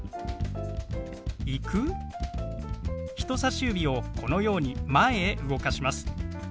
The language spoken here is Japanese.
人さし指をこのように前へ動かします。